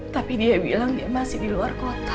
tapi dia bilang dia masih di luar kota